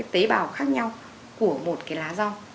tế bào khác nhau của một cái lá rau